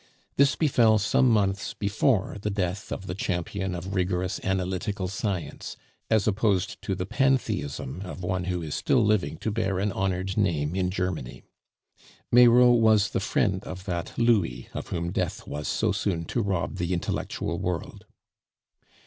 This befell some months before the death of the champion of rigorous analytical science as opposed to the pantheism of one who is still living to bear an honored name in Germany. Meyraux was the friend of that "Louis" of whom death was so soon to rob the intellectual world.